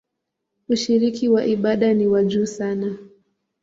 Ushiriki wa ibada ni wa juu sana.